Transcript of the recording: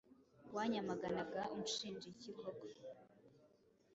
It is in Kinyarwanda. Wanyamagana unshinja iki koko?